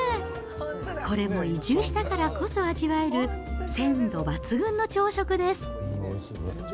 これも移住したからこそ味わえる、鮮度抜群の朝食です。